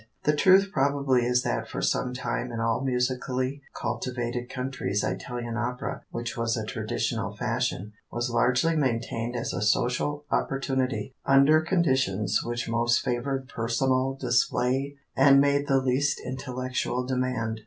The truth probably is that for some time in all musically cultivated countries Italian opera, which was a traditional fashion, was largely maintained as a social opportunity under conditions which most favored personal display and made the least intellectual demand.